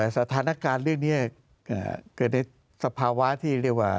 สถานการณ์เรื่องนี้เกิดในสภาวะที่เรียกว่า